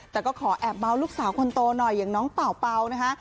แต่ก็ขอแอบเบาลูกสาวคนโตหน่อยอย่างน้องเป่าเป่านะคะ